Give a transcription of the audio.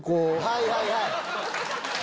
はいはいはい。